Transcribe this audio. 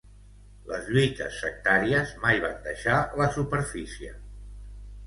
Les lluites sectàries mai van deixar la superfície.